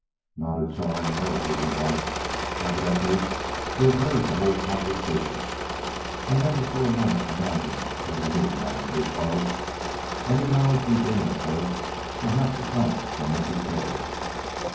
"Not a jarring note," he remarked. Evidently he had heard the whole conversation. "I never for a moment imagined that he knew Madame Duclos. Any knowledge we gain of her will have to come from Mrs. Taylor."